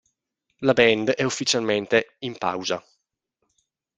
La band è ufficialmente "in pausa".